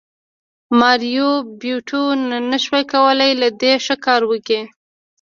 ماریو بیوټو نشوای کولی له دې ښه کار وکړي